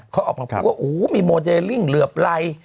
เขาออกมาพูดว่าโอ้โหมีโมเดลลิ่งเหลือบไร